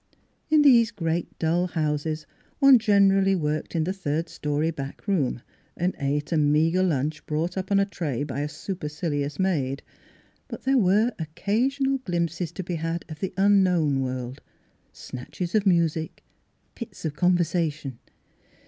In these great dull houses one generally worked in the third storyi back room, and ate a meagre lunch brought up on a tray by a supercilious maid; but there were occasional glimpses to be had of the unknown world, snatches of music, bits of conversation.